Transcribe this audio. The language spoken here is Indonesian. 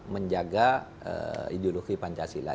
menjaga ideologi pancasila